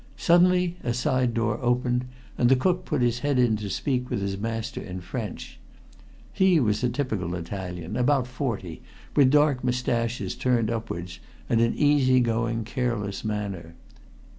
Suddenly a side door opened, and the cook put his head in to speak with his master in French. He was a typical Italian, about forty, with dark mustaches turned upwards, and an easy going, careless manner.